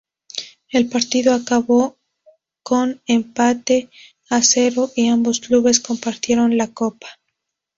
El partido acabó con empate a cero y ambos clubes compartieron la copa.